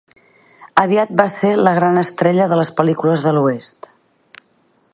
Aviat va ser la gran estrella de les pel·lícules de l'oest.